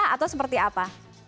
atau seperti apa